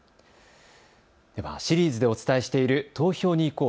シリーズでお伝えしている選挙に行こう！